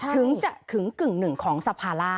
ถึงจะถึงกึ่งหนึ่งของสภาล่า